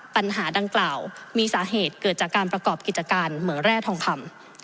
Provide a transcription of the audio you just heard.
ปัญหาดังกล่าวมีสาเหตุเกิดจากการประกอบกิจการเหมืองแร่ทองคำ